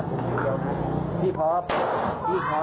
พี่พร้อม